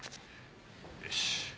よし。